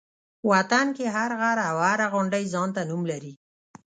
وطن کې هر غر او هره غونډۍ ځان ته نوم لري.